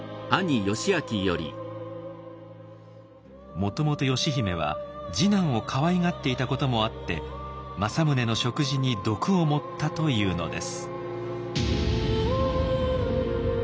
もともと義姫は次男をかわいがっていたこともあって政宗の食事に毒を盛ったというのです。